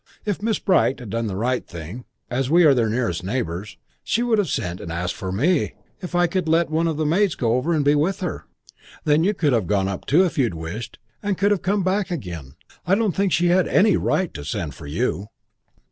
If Miss Bright had done the right thing, as we are their nearest neighbors, she would have sent and asked me if I could let one of the maids go over and be with her. Then you could have gone up too if you'd wished and could have come back again. I don't think she had any right to send for you."